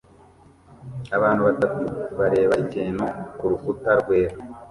Abantu batatu bareba ikintu kurukuta rwera